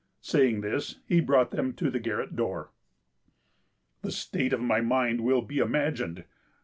Saying this, he brought them to the garret door. "The state of my mind will be imagined.